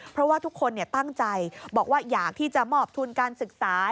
เพราะว่าทุกคนตั้งใจบอกว่าอยากที่จะมอบทุนการศึกษา